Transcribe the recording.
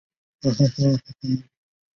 长鳍斑竹鲨为须鲨科斑竹鲨属的鱼类。